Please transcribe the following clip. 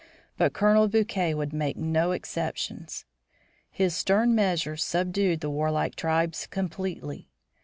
But Colonel Bouquet would make no exceptions. His stern measures subdued the warlike tribes completely.